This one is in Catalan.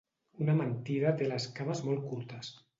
Una mentida té les cames molt curtes.